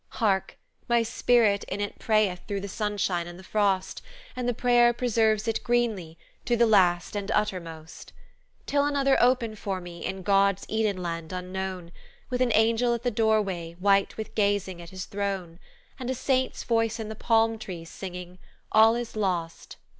Hark! my spirit in it prayeth Through the sunshine and the frost, And the prayer preserves it greenly, to the last and uttermost. "Till another open for me In God's Eden land unknown, With an angel at the doorway, White with gazing at His throne, And a saint's voice in the palm trees, singing, 'All is lost